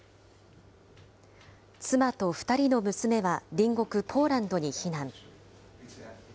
妻と２人の娘は隣国ポーランドに避難。